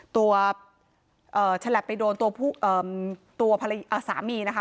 ตัวเอ่อแฉลบไปโดนตัวผู้เอ่อตัวเอ่อสามีนะคะ